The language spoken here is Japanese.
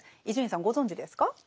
伊集院さんご存じですか？